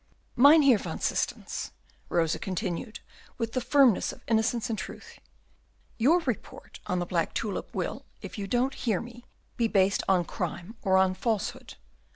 "Mynheer van Systens," Rosa continued, with the firmness of innocence and truth, "your report on the black tulip will, if you don't hear me, be based on crime or on falsehood.